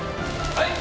はい！